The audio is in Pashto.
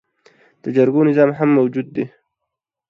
د جرګو نظام هم موجود دی